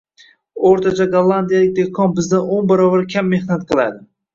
Oʻrtacha gollandiyalik dehqon bizdan o‘n barobar kam mehnat qiladi.